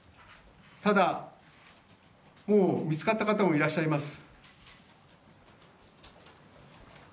ただ、もう見つかった方もいらっしゃいます。